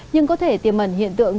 nhưng có thể tiềm mẩn hiện tượng